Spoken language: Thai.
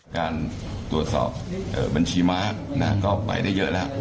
การตรวจสอบบัญชีม้าก็ไปได้เยอะแล้ว